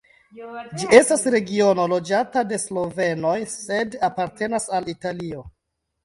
Ĝi estas regiono loĝata de slovenoj sed apartenas al Italio.